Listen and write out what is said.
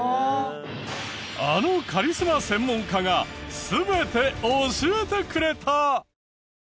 あのカリスマ専門家が全て教えてくれた！